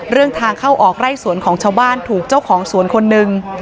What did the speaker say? ทางเข้าออกไร่สวนของชาวบ้านถูกเจ้าของสวนคนหนึ่ง